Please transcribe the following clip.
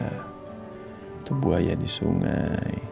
itu buaya di sungai